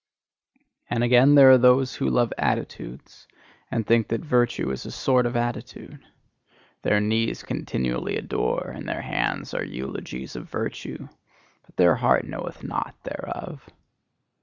And again there are those who love attitudes, and think that virtue is a sort of attitude. Their knees continually adore, and their hands are eulogies of virtue, but their heart knoweth naught thereof.